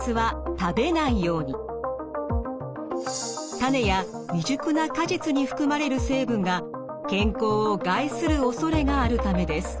種や未熟な果実に含まれる成分が健康を害するおそれがあるためです。